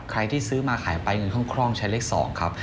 ที่ซื้อมาขายไปเงินคล่องใช้เลข๒ครับ